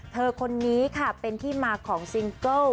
คนนี้ค่ะเป็นที่มาของซิงเกิล